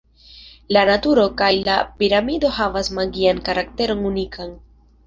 La naturo kaj la piramido havas magian karakteron unikan.